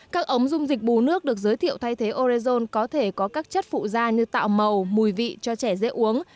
các ống dung dịch bù nước được giới thiệu thay thế orezon có thể có các chất phụ da như tạo màu mùi vị cho trẻ dễ uống